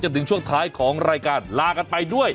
ถึงช่วงท้ายของรายการลากันไปด้วย